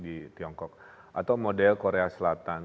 di tiongkok atau model korea selatan